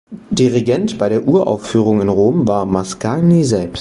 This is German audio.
Dirigent bei der Uraufführung in Rom war Mascagni selbst.